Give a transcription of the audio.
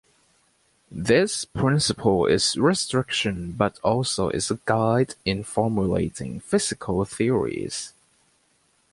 This principle is a restriction but also is a guide in formulating physical theories.